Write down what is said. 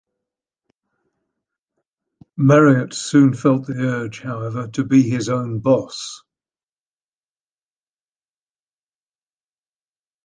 Marriott soon felt the urge, however, to be his own boss.